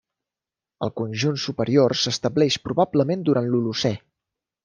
El conjunt superior s'estableix probablement durant l'Holocè.